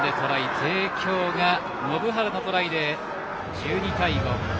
帝京が延原のトライで１２対５。